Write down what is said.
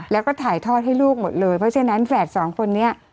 แล้วก็ถ่ายทอดให้ลูกหมดเลยเพราะฉะนั้นแฝดสองคนนี้